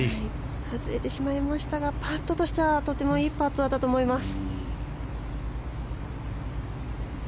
外れてしまいましたがパットとしてはとてもいいパットだったと思います。